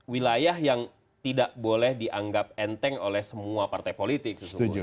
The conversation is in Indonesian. wilayah yang tidak boleh dianggap enteng oleh semua partai politik sesungguhnya